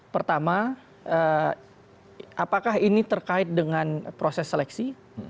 pertama apakah ini terkait dengan proses seleksi